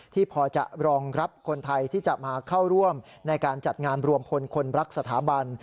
ที่พอจะรองรับคนไทยที่จะมาเข้าร่วมในการจัดงานรวมพลคนรักสถาบัน